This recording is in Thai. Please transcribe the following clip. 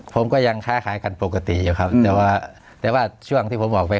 ผมก็ยังค้าขายกันปกติอยู่ครับแต่ว่าแต่ว่าช่วงที่ผมออกไป